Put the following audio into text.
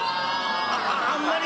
あんまり。